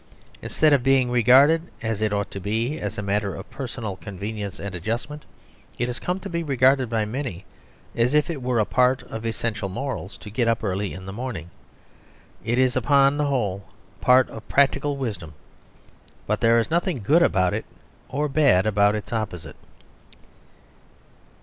Instead of being regarded, as it ought to be, as a matter of personal convenience and adjustment, it has come to be regarded by many as if it were a part of essential morals to get up early in the morning. It is upon the whole part of practical wisdom; but there is nothing good about it or bad about its opposite.